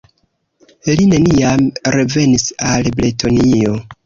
Li neniam revenis al Bretonio.